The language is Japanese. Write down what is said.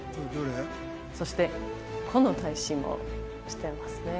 そしてこの大使もしてますね